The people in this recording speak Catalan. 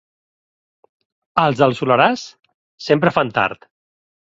Els del Soleràs, sempre fan tard.